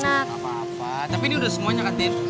gak apa apa tapi ini udah semuanya kan din